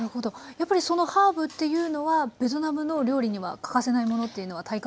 やっぱりそのハーブっていうのはベトナムの料理には欠かせないものっていうのは体感されました？